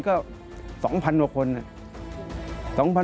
๓กล่องพันธุ์นึงก็๒๐๐๐โนโลกรณ์